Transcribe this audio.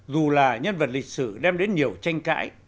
dù là nhân vật lịch sử đem đến nhiều tranh cãi